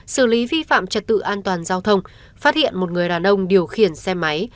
xử lý vi phạm trật tự an toàn giao thông phát hiện một người đàn ông điều khiển xe máy